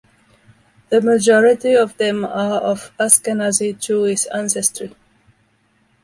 The majority of them are of Ashkenazi Jewish ancestry.